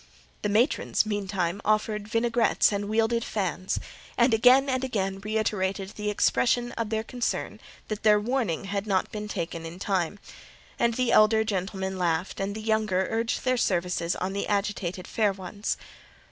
The matrons, meantime, offered vinaigrettes and wielded fans; and again and again reiterated the expression of their concern that their warning had not been taken in time; and the elder gentlemen laughed, and the younger urged their services on the agitated fair ones.